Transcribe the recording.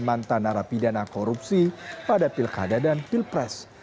mantan arah pidana korupsi pada pilkada dan pilpres